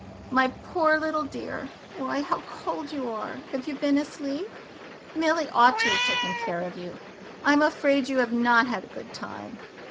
"My poor little dear, why, how cold you are! Have you been asleep? Milly ought to have taken care of you. I'm afraid you have not had a good time."